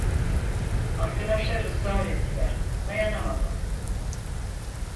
Arkadaşlar ısrar ettiler, dayanamadım!